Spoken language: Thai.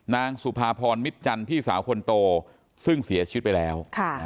นางสุภาพรมิตจันทร์พี่สาวคนโตซึ่งเสียชีวิตไปแล้ว